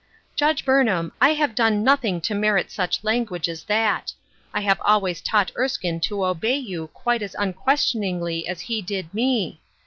" Judge Burnham, I have done nothing to merit such language as that. I have always taught Erskine to obey you quite as unquestioningly as he did me.